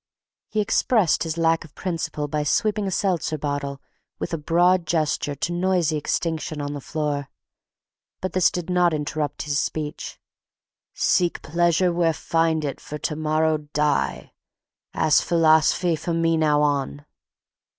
He expressed his lack of principle by sweeping a seltzer bottle with a broad gesture to noisy extinction on the floor, but this did not interrupt his speech. "Seek pleasure where find it for to morrow die. 'At's philos'phy for me now on."